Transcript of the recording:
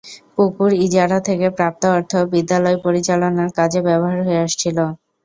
পুকুর ইজারা থেকে প্রাপ্ত অর্থ বিদ্যালয় পরিচালনার কাজে ব্যবহার হয়ে আসছিল।